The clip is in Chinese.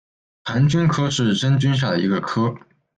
盘菌科是真菌下的一个科。